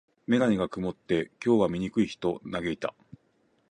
メガネが曇って、「今日は見えにくい日」と嘆いた。